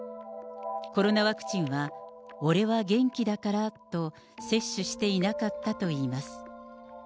コロナワクチンは俺は元気だからと、接種していなかったといいます。